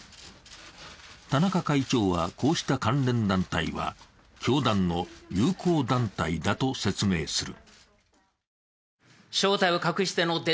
田中会長は、こうした関連団体は教団の友好団体だと説明する。